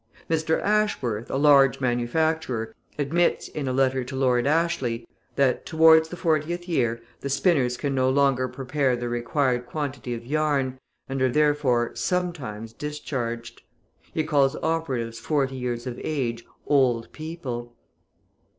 Mr. Ashworth, a large manufacturer, admits in a letter to Lord Ashley, that, towards the fortieth year, the spinners can no longer prepare the required quantity of yarn, and are therefore "sometimes" discharged; he calls operatives forty years of age "old people!"